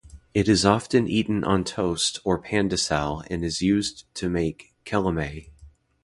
It is often eaten on toast or pandesal and is used to make kalamay.